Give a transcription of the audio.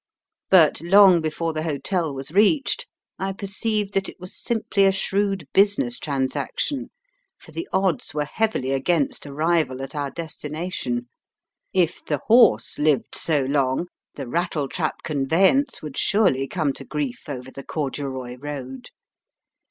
But long before the hotel was reached, I perceived that it was simply a shrewd business transaction, for the odds were heavily against arrival at our destination. If the horse lived 80 long, the rattletrap conveyance would surely come to grief over the corduroy road.